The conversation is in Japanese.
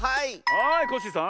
はいコッシーさん。